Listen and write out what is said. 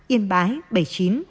yên bái bảy mươi chín